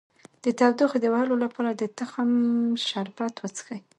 د تودوخې د وهلو لپاره د تخم شربت وڅښئ